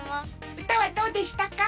うたはどうでしたか？